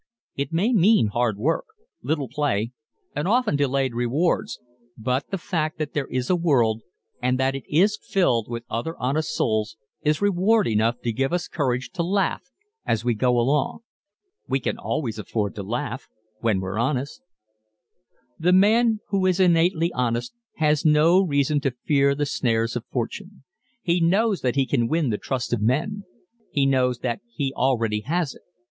It may mean hard work, little play and often delayed rewards but the fact that there is a world, and that it is filled with other honest souls is reward enough to give us courage to laugh as we go along. We can always afford to laugh when we're honest. The man who is innately honest has no reason to fear the snares of fortune. He knows that he can win the trust of men; he knows that he already has it.